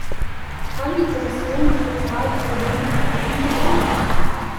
Kann die Kommission diese Zahlen noch erheben und veröffentlichen?